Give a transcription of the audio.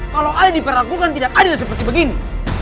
kalau ada diperlakukan tidak adil seperti begini